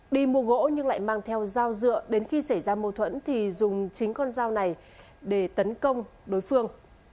đi mua gỗ nhưng lại mang theo dao dựa đến khi xảy ra mâu thuẫn thì dùng chính con dao này để tấn công đối phương